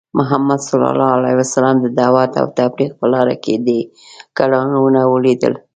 محمد ص د دعوت او تبلیغ په لاره کې ډی کړاوونه ولیدل .